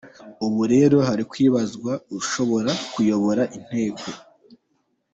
Ubu rero hari kwibazwa ushobora kuyobora Inteko.